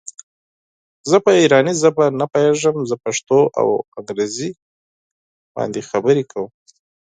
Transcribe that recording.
زه په ایراني ژبه نه پوهېږم زه پښتو او انګرېزي خبري کوم.